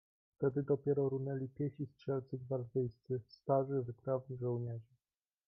"Wtedy dopiero runęli piesi strzelcy gwardyjscy, starzy, wytrawni żołnierze."